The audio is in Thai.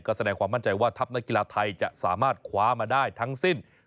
ก็แสดงความมั่นใจว่าทัพนักกีฬาไทยจะสามารถคว้ามาได้ทั้งสิ้น